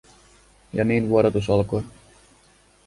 Ja niin vuodatus alkoi.